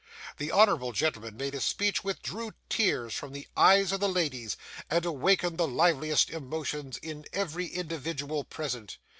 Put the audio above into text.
The honourable gentleman made a speech which drew tears from the eyes of the ladies, and awakened the liveliest emotions in every individual present.